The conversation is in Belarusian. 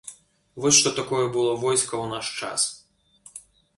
Вось што такое было войска ў наш час!